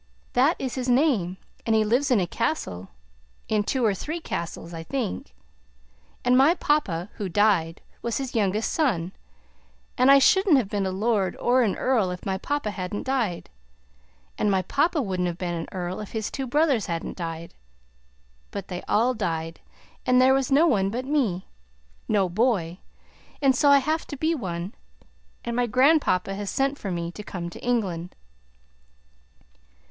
That is his name, and he lives in a castle in two or three castles, I think. And my papa, who died, was his youngest son; and I shouldn't have been a lord or an earl if my papa hadn't died; and my papa wouldn't have been an earl if his two brothers hadn't died. But they all died, and there is no one but me, no boy, and so I have to be one; and my grandpapa has sent for me to come to England."